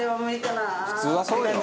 「普通はそうよ」